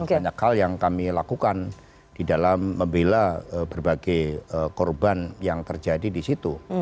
banyak hal yang kami lakukan di dalam membela berbagai korban yang terjadi di situ